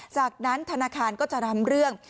จากนั้นธนาคารก็จะทำเรื่อง